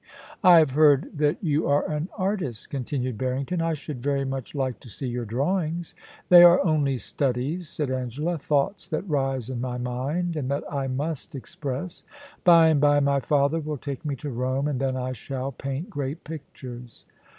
I have heard that you are an artist,' continued Barring ton. * I should very much like to see your drawings.' * They are only studies,' said Angela ;* thoughts that rise in my mind and that I must express. By and by, my father will take me to Rome, and then I shall paint great pictures.'